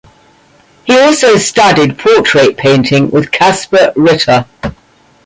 He also studied portrait painting with Caspar Ritter.